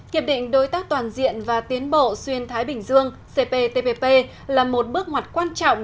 kịp định đối tác toàn diện và tiến bộ xuyên thái bình dương là một bước ngoặt quan trọng